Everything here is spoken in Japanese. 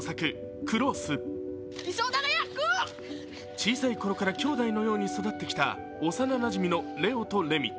小さいころから兄弟のように育ってきた幼なじみのレオとレミ。